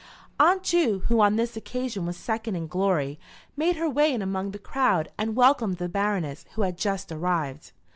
Aunt Ju, who on this occasion was second in glory, made her way in among the crowd and welcomed the Baroness, who had just arrived.